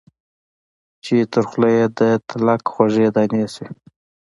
چي تر خوله یې د تلک خوږې دانې سوې